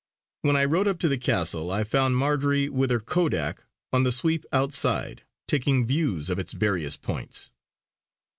When I rode up to the castle, I found Marjory with her kodak on the sweep outside, taking views of its various points.